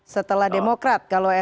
setelah demokrat kalau smrc